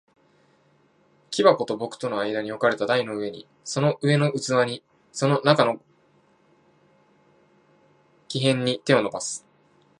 木箱と僕との間に置かれた台の上に、その上の器に、その中の木片に、手を伸ばす。